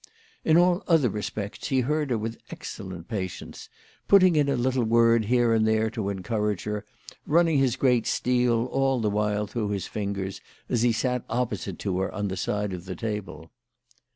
In all other respects he heard her with excellent patience, putting in a little word here and there to encourage her, running his great steel all the while through his fingers, as he sat opposite to her on a side of the table.